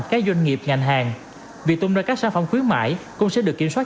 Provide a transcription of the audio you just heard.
với các doanh nghiệp ngành hàng việc tung ra các sản phẩm khuyến mãi cũng sẽ được kiểm soát